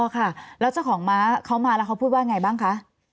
ค่ะแล้วเจ้าของม้าเขามาแล้วเขาพูดว่าไงบ้างคะ